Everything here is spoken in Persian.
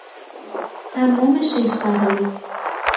حمام شیخ بهایی